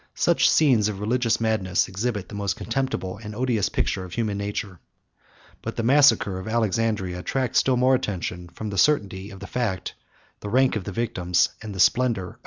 118 Such scenes of religious madness exhibit the most contemptible and odious picture of human nature; but the massacre of Alexandria attracts still more attention, from the certainty of the fact, the rank of the victims, and the splendor of the capital of Egypt.